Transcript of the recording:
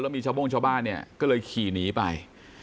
มีชาวโบ้งชาวบ้านเนี่ยก็เลยขี่หนีไป